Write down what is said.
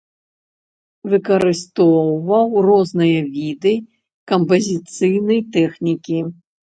Выкарыстоўваў розныя віды кампазіцыйнай тэхнікі.